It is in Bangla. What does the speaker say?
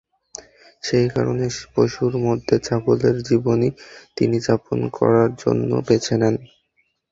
সেই কারণে পশুর মধ্যে ছাগলের জীবনই তিনি যাপন করার জন্য বেছে নেন।